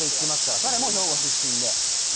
彼も兵庫出身で。